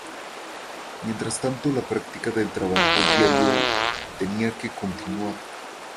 Mientras tanto la práctica del trabajo diario tenía que continuar.